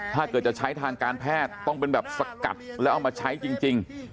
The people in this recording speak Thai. ถ้าเกิดจะใช้ทางการแพทย์ต้องเป็นแบบสกัดแล้วเอามาใช้จริง